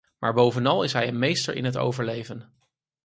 Maar bovenal is hij een meester in het overleven.